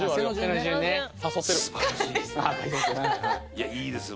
いやいいです